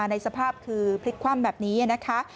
ในสภาพคือพลิกคว่ำแบบนี้นะคะ